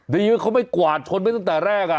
นี่มันเขาไปกวาดชนไปตั้งแต่แรกอ่ะ